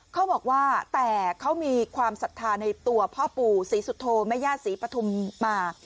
เขาบอกว่าแต่เขามีความศรัทธาในตัวพ่อปู่ศรีสุโธแม่ย่าศรีปฐุมมา